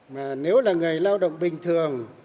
mà nếu là người lao động bình thường